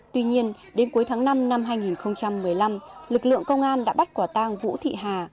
tuy nhiên đến cuối tháng năm năm hai nghìn một mươi năm lực lượng công an đã bắt quả tang vũ thị hà